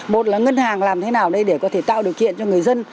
một là ngân hàng làm thế nào đây để có thể tạo điều kiện cho người dân